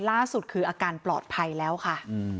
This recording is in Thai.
ล่าสุดคืออาการปลอดภัยแล้วค่ะ